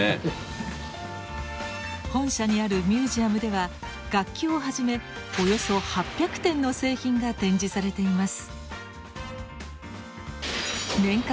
本社にあるミュージアムでは楽器をはじめおよそ８００点の製品が展示されています。